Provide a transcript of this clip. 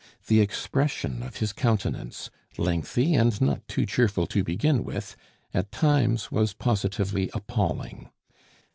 The expression of his countenance, lengthy and not too cheerful to begin with, at times was positively appalling.